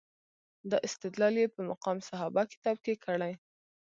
دا استدلال یې په مقام صحابه کتاب کې کړی.